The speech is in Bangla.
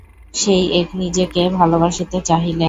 সেই এক নিজেকে ভালবাসিতে চাহিলেন।